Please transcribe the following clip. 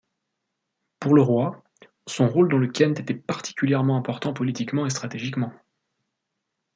Pour le roi, son rôle dans le Kent était particulièrement important politiquement et stratégiquement.